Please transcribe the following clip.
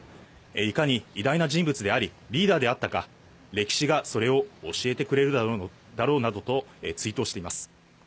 いかに偉大な人物であり、リーダーであったか、歴史がそれを教えてくれるだろうなどと追悼しています。